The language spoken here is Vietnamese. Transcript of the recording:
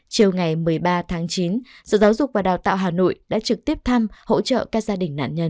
chiều ngày một mươi ba tháng chín sở giáo dục và đào tạo hà nội đã trực tiếp thăm hỗ trợ các gia đình nạn nhân